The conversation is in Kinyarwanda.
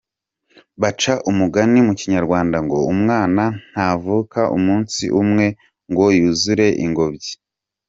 Baca umugani mu Kinyarwanda ngo “umwana ntavuka umunsi umwe ngo yuzure ingobyi”.